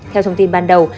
theo thông tin ban đầu